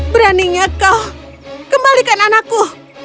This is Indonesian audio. beraninya kau kembalikan anakku